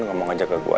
ngomong aja ke gua